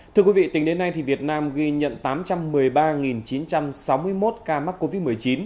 thưa quý vị tính đến nay việt nam ghi nhận tám trăm một mươi ba chín trăm sáu mươi một ca mắc covid một mươi chín